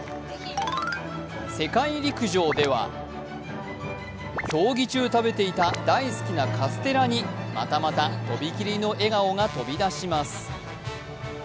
世界陸上では競技中食べていた大好きなカステラにまたまたとびきりの笑顔が飛び出します。